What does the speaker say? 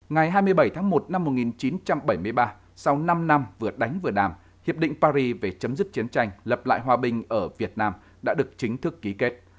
ngày hai mươi bảy tháng một năm một nghìn chín trăm bảy mươi ba sau năm năm vừa đánh vừa đàm hiệp định paris về chấm dứt chiến tranh lập lại hòa bình ở việt nam đã được chính thức ký kết